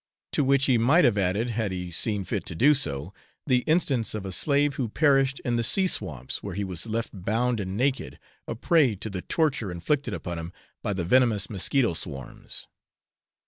To which he might have added, had he seen fit to do so, the instance of a slave who perished in the sea swamps, where he was left bound and naked, a prey to the torture inflicted upon him by the venomous mosquito swarms.